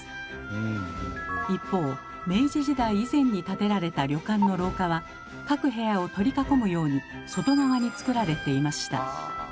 一方明治時代以前に建てられた旅館の廊下は各部屋を取り囲むように外側につくられていました。